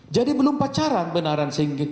jadi belum pacaran benaran